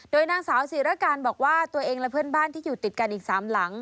โดยนางสาวศิรการบอกว่าตัวเองและเพื่อนบ้านที่อยู่ติดกันอีก๓หลัง